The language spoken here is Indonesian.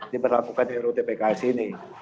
diperlakukan rutpks ini